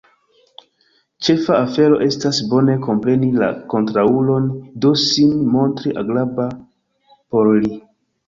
Ĉefa afero estas bone kompreni la kontraŭulon, do sin montri agrabla por li...